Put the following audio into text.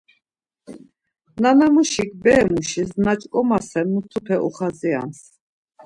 Nanamuşik beremuşis na ç̌ǩomasen mutupe uxazirams.